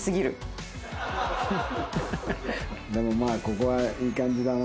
でもまあここはいい感じだな。